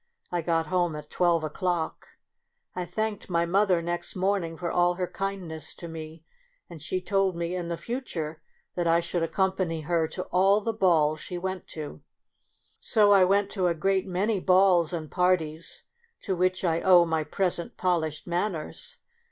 I got home at twelve o'clock. I thanked my mother next morning for all her kindness to me, and she told me in the future that I should accompany her to all the balls she went to. So I went to a great many balls and parties, to which I owe my present polished manners.